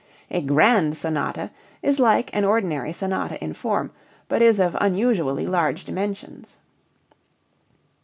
A grand sonata is like an ordinary sonata in form, but is of unusually large dimensions.